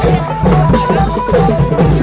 เพื่อรับความรับทราบของคุณ